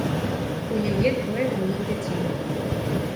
У яе двое малых дзяцей.